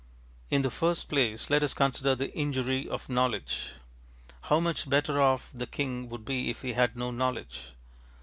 In the first place let us consider the ŌĆ£Injury of Knowledge.ŌĆØ How much better off the king would be if he had no knowledge!